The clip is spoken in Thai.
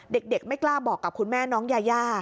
เด็กไม่กล้าบอกกับคุณแม่น้องยายา